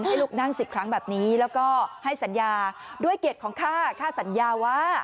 ให้ลูกนั่ง๑๐ครั้งแบบนี้แล้วก็ให้สัญญาด้วยเกียรติของค่าสัญญาว่า